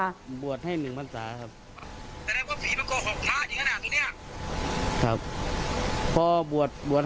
แล้วมันดีขึ้นไหมบ่วน